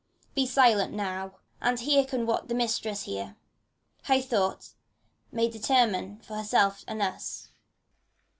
Be silent now, and hearken what the Mistress here, High thoughted, may determine for herself and ns!